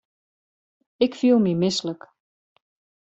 Ik fiel my mislik.